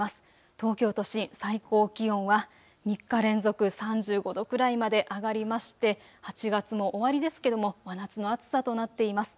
東京都心最高気温は３日連続３５度くらいまで上がりまして８月も終わりですけども真夏の暑さとなっています。